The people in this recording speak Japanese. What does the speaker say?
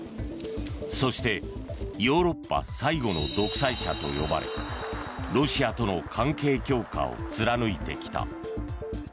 そしてヨーロッパ最後の独裁者と呼ばれロシアとの関係強化を貫いてきた。